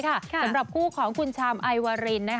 สำหรับคู่ของคุณชามไอวาริน